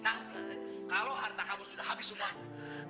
nanti kalau harta kamu sudah habis semuanya